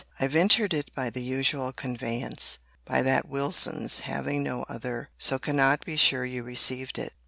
I ventured it by the usual conveyance, by that Wilson's, having no other: so cannot be sure you received it.